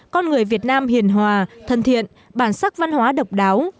con người việt nam hiền hòa thân thiện bản sắc văn hóa độc đáo